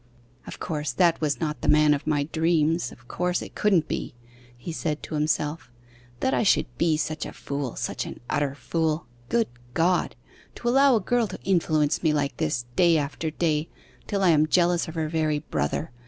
'Of course, that was not the man of my dreams of course, it couldn't be!' he said to himself. 'That I should be such a fool such an utter fool. Good God! to allow a girl to influence me like this, day after day, till I am jealous of her very brother.